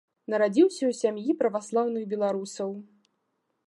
Нарадзіўся ў сям'і праваслаўных беларусаў.